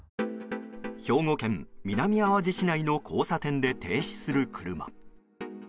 兵庫県南あわじ市内の交差点で停止する車。